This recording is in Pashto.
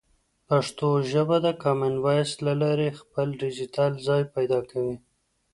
پښتو ژبه د کامن وایس له لارې خپل ډیجیټل ځای پیدا کوي.